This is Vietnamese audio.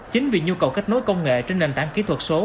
chính vì nhu cầu kết nối công nghệ trên nền tảng kỹ thuật số